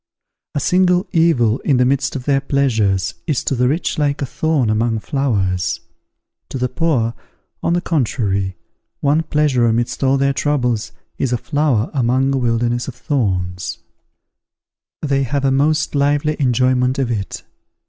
A single evil in the midst of their pleasures is to the rich like a thorn among flowers; to the poor, on the contrary, one pleasure amidst all their troubles is a flower among a wilderness of thorns; they have a most lively enjoyment of it.